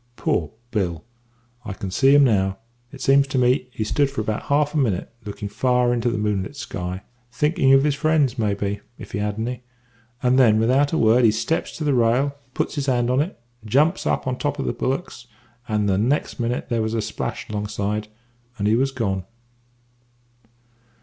"Poor Bill I can see him now, it seems to me he stood for about half a minute looking far away into the moonlit sky, thinking of his friends, maybe, if he had any; and then, without a word, he steps to the rail, puts his hands upon it, jumps up on to the top of the bulwarks, and next minute there was a splash alongside, and he was gone.